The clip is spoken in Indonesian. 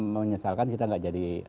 menyesalkan kita gak jadi